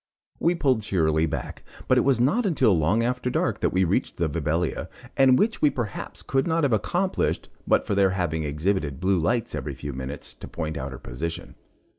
We pulled cheerily back, but it was not until long after dark that we reached the 'Vibelia,' and which we perhaps could not have accomplished, but for their having exhibited blue lights every few minutes to point out her position.